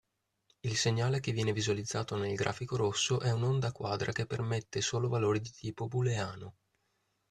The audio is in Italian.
Il segnale che viene visualizzato nel grafico rosso è un'onda quadra che permette solo valori di tipo booleano.